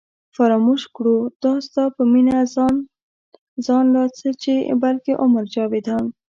فراموش کړو دا ستا په مینه ځان ځان لا څه چې بلکې عمر جاوېدان